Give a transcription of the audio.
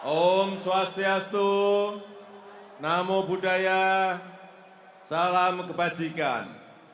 om swastiastu namo buddhaya salam kebajikan